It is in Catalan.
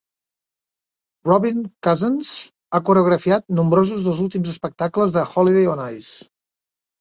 Robin Cousins ha coreografiat nombrosos dels últims espectacles de Holiday on Ice.